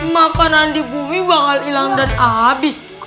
mapanan di bumi bakal hilang dan abis